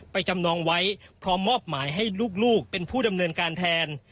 จำนองไว้พร้อมมอบหมายให้ลูกเป็นผู้ดำเนินการแทน